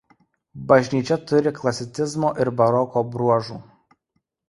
Bažnyčia turi klasicizmo ir baroko bruožų.